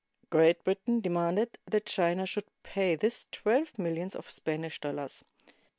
[Great Britain demanded that China should pay this twelve millions of Spanish dollars.